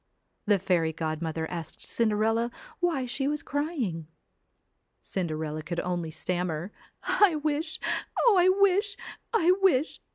The fairy godmother asked Cinderella why she was crying. Cinderella could only stammer 'I wish Oh, I wish ... I wish